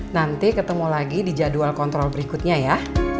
nanti ketemu lagi di jadwal kontrol berikutnya ya